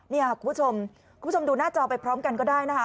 นี่ค่ะคุณผู้ชมคุณผู้ชมดูหน้าจอไปพร้อมกันก็ได้นะคะ